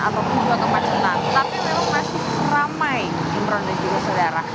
ataupun dua tempat senang tapi memang masih ramai imran dan juga saudara